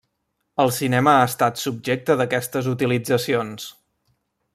El cinema ha estat subjecte d'aquestes utilitzacions.